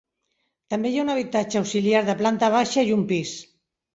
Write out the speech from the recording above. També hi ha un habitatge auxiliar de planta baixa i un pis.